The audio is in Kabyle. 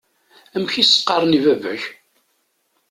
Amek i s-qqaṛen i baba-k?